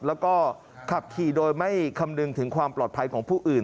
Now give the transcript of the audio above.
แล้วก็ขับขี่โดยไม่คำนึงถึงความปลอดภัยของผู้อื่น